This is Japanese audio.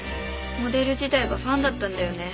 モデル時代はファンだったんだよね。